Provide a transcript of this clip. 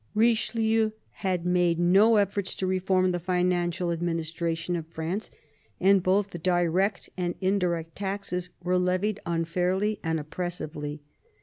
Kichelieu had made no eflPorts to reform the financial administration of France, and both the direct and indirect taxes were levied un fairly and oppressively.